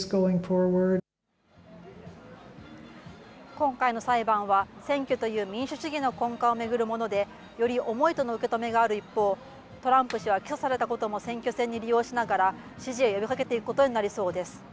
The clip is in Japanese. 今回の裁判は、選挙という民主主義の根幹を巡るもので、より重いとの受け止めがある一方、トランプ氏は起訴されたことも選挙戦に利用しながら、支持を呼びかけていくことになりそうです。